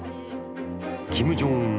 キム・ジョンウン